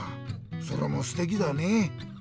それもすてきだね。